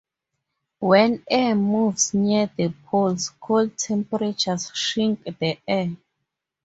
When air moves near the poles, cold temperatures shrink the air.